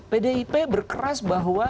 pdip berkeras bahwa